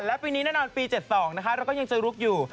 และปีนี้แน่นอนปี๗๒นะคะเราก็ยังจะลุกอยู่